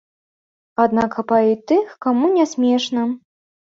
Аднак хапае і тых, каму не смешна.